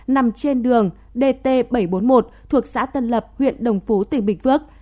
nằm trên đường dt bảy trăm bốn mươi một thuộc xã tân lập huyện đồng phú tỉnh bình phước